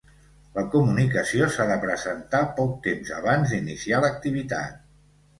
La comunicació s'ha de presentar poc temps abans d'iniciar l'activitat.